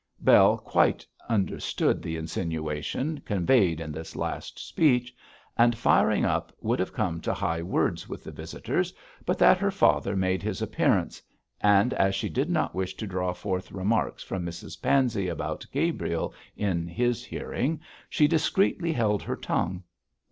Bell quite understood the insinuation conveyed in this last speech, and, firing up, would have come to high words with the visitors but that her father made his appearance, and, as she did not wish to draw forth remarks from Mrs Pansey about Gabriel in his hearing, she discreetly held her tongue.